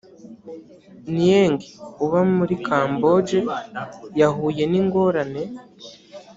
nieng uba muri kamboje yahuye n ingorane